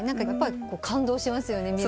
やっぱ感動しますよね